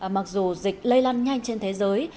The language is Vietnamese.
mặc dù dịch lây lan nhanh trên thế giới